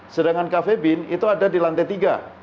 sedangkan cafe bin itu ada di lantai tiga